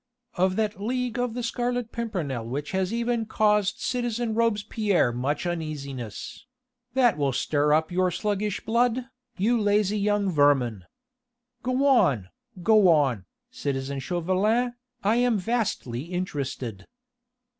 of that League of the Scarlet Pimpernel which has even caused citizen Robespierre much uneasiness that will stir up your sluggish blood, you lazy young vermin!... Go on, go on, citizen Chauvelin, I am vastly interested!"